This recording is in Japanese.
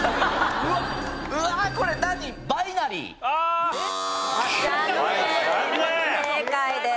不正解です。